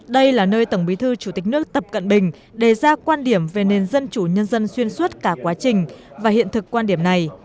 đây là nơi tổng bí thư chủ tịch nước tập cận bình đề ra quan điểm về nền dân chủ nhân dân xuyên suốt cả quá trình và hiện thực quan điểm này